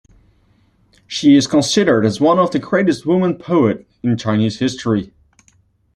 She is considered as one of the greatest woman poet in Chinese history.